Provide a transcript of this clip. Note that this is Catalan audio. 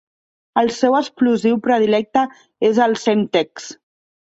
El seu explosiu predilecte és el Semtex.